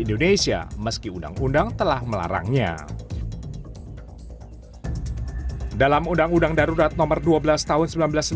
indonesia meski undang undang telah melarangnya dalam undang undang darurat nomor dua belas tahun seribu sembilan ratus sembilan puluh